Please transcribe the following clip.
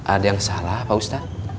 ada yang salah pak ustadz